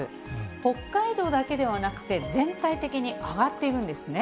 北海道だけではなくて、全体的に上がっているんですね。